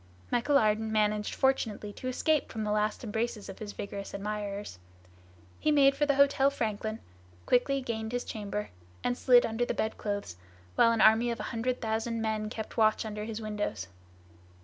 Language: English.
Michel Ardan managed fortunately to escape from the last embraces of his vigorous admirers. He made for the Hotel Franklin, quickly gained his chamber, and slid under the bedclothes, while an army of a hundred thousand men kept watch under his windows.